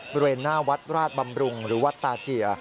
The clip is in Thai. บริเวณหน้าวัดราชบำรุงหรือวัดตาเจีย